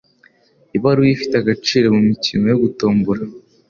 ibaruwa ifite agaciro mumikino yo gutombora?